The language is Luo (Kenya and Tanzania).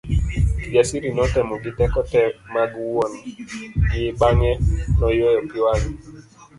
Kijasiri notemo gi teko te mag wuon gi bang'e noyueyo pi wang'e.